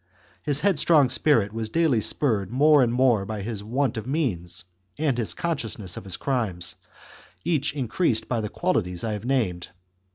His headstrong spirit was daily spurred more and more by his want of means and his consciousness of his crimes, each increased by the qualities I have named.